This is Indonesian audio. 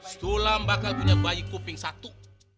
sekolah bakal punya bayi kuping satu